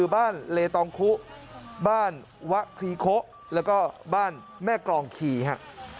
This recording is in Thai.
บ้านเลตองคุบ้านวะครีโคแล้วก็บ้านแม่กรองคีฮะ